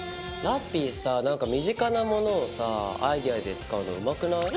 ラッピィさなんか身近なものをさぁアイデアで使うのうまくない？